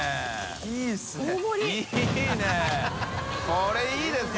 これいいですね！